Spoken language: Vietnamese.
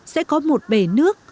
sẽ có một bể nước